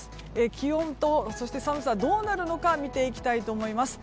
気温と寒さどうなるのか見ていきたいと思います。